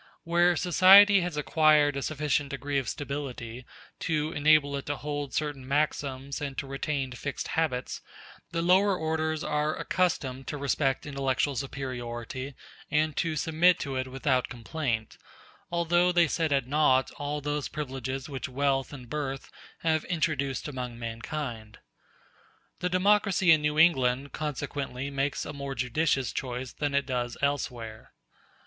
Where society has acquired a sufficient degree of stability to enable it to hold certain maxims and to retain fixed habits, the lower orders are accustomed to respect intellectual superiority and to submit to it without complaint, although they set at naught all those privileges which wealth and birth have introduced among mankind. The democracy in New England consequently makes a more judicious choice than it does elsewhere.